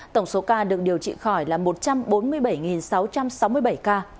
tổng số ca được điều trị khỏi là một trăm bốn mươi bảy sáu trăm sáu mươi bảy ca